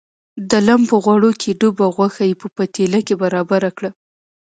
د لم په غوړو کې ډوبه غوښه یې په پتیله کې برابره کړه.